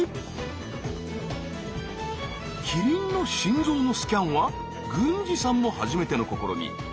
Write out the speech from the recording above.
キリンの心臓のスキャンは郡司さんも初めての試み。